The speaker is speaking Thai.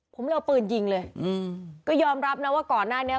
ผมเลยเอาปืนยิงเลยอืมก็ยอมรับนะว่าก่อนหน้านี้